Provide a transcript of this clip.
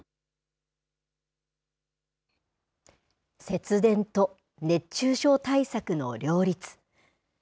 節電と熱中症対策の両立。